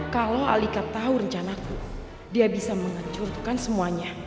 kalau alika tahu rencanaku dia bisa mengencurkan semuanya